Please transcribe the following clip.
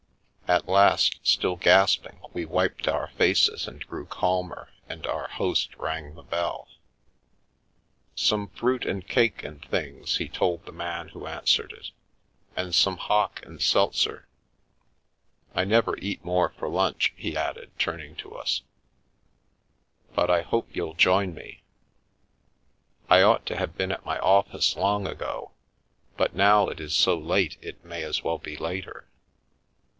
At last, still gasping, we wiped our faces and grew calmer and our host rang the bell. We "Leap Screaming" " Some fruit and cake and things," he told the man who answered it, " and some hock and seltzer. I never eat more for lunch," he added, turning to us, "but I hope you'll join me. I ought to have been at my office long ago, but now it is so late it may as well be later.